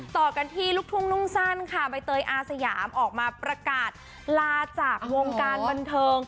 ต่อกันที่ลูกทุ่งนุ่งสั้นค่ะใบเตยอาสยามออกมาประกาศลาจากวงการบันเทิง